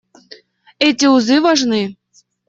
Эти узы важны.